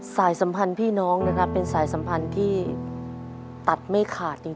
สัมพันธ์พี่น้องนะครับเป็นสายสัมพันธ์ที่ตัดไม่ขาดจริง